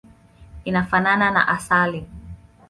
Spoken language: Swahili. Inafanana na asali.